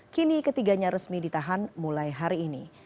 kini ketiganya resmi ditahan mulai hari ini